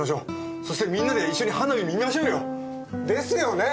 そしてみんなで一緒に花火見ましょうよ！ですよね！